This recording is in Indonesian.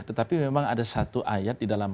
tetapi memang ada satu ayat di dalam